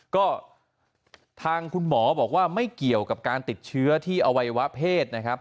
ก็ทางคุณหมอบอกว่าไม่เกี่ยวกับการติดเชื้อที่อวัยวะเพศนะครับ